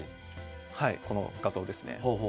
この画像ですね。